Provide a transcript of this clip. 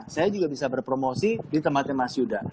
saya juga bisa berpromosi di tempatnya mas yuda